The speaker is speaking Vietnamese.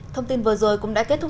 thông tin vừa rồi cũng đã kết thúc